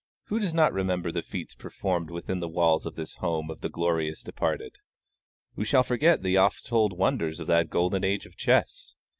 Who does not remember the feats performed within the walls of this home of the glorious departed? Who shall forget the oft told wonders of that golden age of chess?